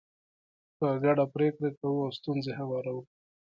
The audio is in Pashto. په ګډه پرېکړې کوو او ستونزې هواروو.